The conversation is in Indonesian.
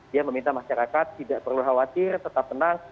dia meminta masyarakat tidak perlu khawatir tetap tenang